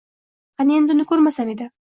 Qani endi uni ko`rmasam edi